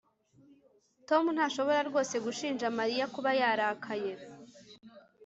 tom ntashobora rwose gushinja mariya kuba yarakaye